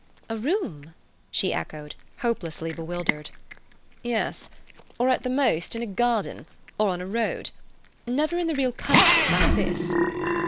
"A room?" she echoed, hopelessly bewildered. "Yes. Or, at the most, in a garden, or on a road. Never in the real country like this."